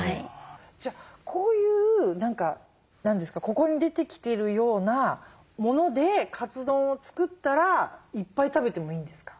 じゃこういうここに出てきてるようなものでカツ丼を作ったらいっぱい食べてもいいんですか？